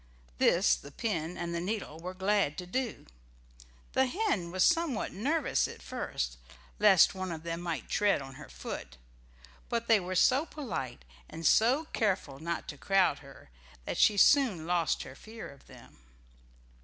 This the pin and the needle were glad to do. The hen was somewhat nervous at first, lest one of them might tread on her foot, but they were so polite, and so careful not to crowd her, that she soon lost her fear of them.